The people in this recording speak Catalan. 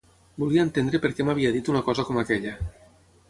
Volia entendre per què m’havia dit una cosa com aquella.